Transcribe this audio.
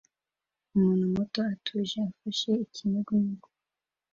Umuhungu muto atuje afashe ikinyugunyugu